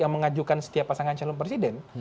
yang mengajukan setiap pasangan calon presiden